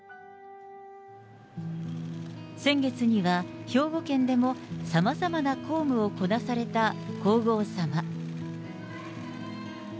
先月には、兵庫県でもさまざまな公務をこなされた皇后さま。